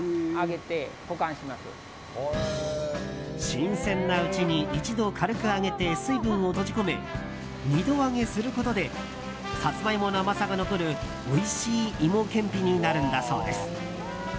新鮮なうちに一度軽く揚げて水分を閉じ込め二度揚げすることでサツマイモの甘さが残るおいしい芋けんぴになるんだそうです。